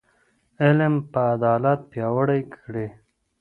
علم به عدالت پیاوړی کړي.